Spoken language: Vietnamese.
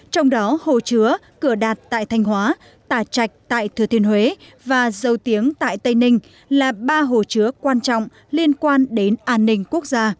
trong đó hồ chứa cửa đạt tại thanh hóa tà chạch tại thừa thiên huế và dâu tiếng tại tây ninh là ba hồ chứa quan trọng liên quan đến an ninh quốc gia